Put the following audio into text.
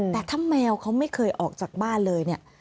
แต่ถ้าแมวเขาไม่เคยออกจากบ้านเลยเนี่ย